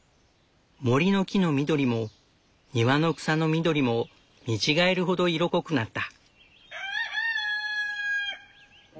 森の木の緑も庭の草の緑も見違えるほど色濃くなった。